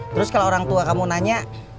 terus kalau orang tua kamu nanya